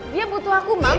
dia butuh aku mama